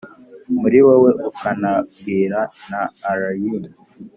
muri wowe ukanabwira na allayne.